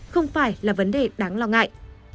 không phải là vấn đề đáng lo ngại